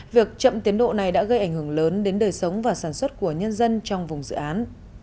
việc chậm tiến độ này đã gây ảnh hưởng lớn đến đời sống và sản xuất của nhân dân trong vùng dự án